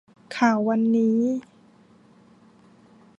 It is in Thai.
ข่าววันนี้